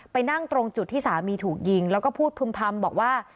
นั่งตรงจุดที่สามีถูกยิงแล้วก็พูดพึ่มพำบอกว่า